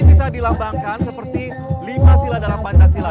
bisa dilambangkan seperti lima sila dalam pancasila